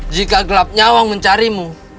jika gelapnya awang mencarimu